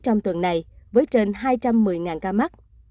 trong tuần này với trên hai trăm một mươi ca mắc